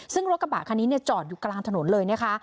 ซึ่งรถกระบะคันนี้จอดอยู่กลางถนนเลยนะคะ